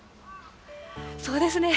そうですね。